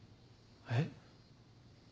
えっ？